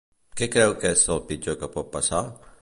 Què creu que és el pitjor que pot passar?